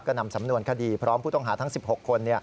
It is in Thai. ก็นำสำนวนคดีพร้อมผู้ต้องหาทั้ง๑๖คน